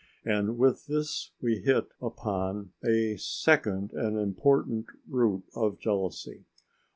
And with this we hit upon a second and important root of jealousy.